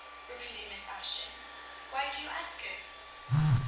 repeated Miss Ashton. "Why do you ask it?"